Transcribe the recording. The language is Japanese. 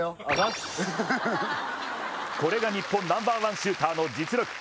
これが日本ナンバーワンシューターの実力。